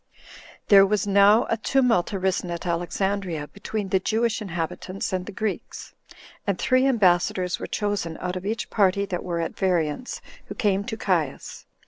1. There was now a tumult arisen at Alexandria, between the Jewish inhabitants and the Greeks; and three ambassadors were chosen out of each party that were at variance, who came to Caius.